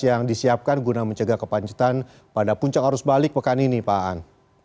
yang disiapkan guna mencegah kepancetan pada puncak arus balik pekan ini pak an